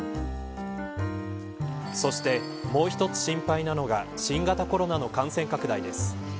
そして、もう一つ心配なのが新型コロナの感染拡大です。